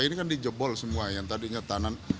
ini kan dijebol semua yang tadinya